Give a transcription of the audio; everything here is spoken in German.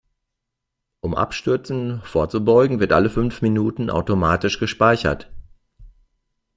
Um Abstürzen vorzubeugen, wird alle fünf Minuten automatisch gespeichert.